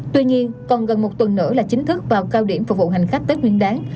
tuy nhiên còn gần một tuần nữa là chính thức vào cao điểm phục vụ hành khách tết nguyên đáng